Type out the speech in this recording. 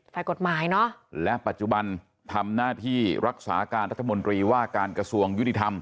ฝ่ายกฎหมายเนอะและปัจจุบันทำหน้าที่รักษาการรัฐมนตรีว่าการกระทรวงยุติธรรม